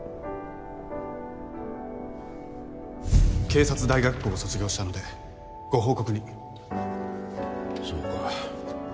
警察大学校を卒業したのでご報告にそうか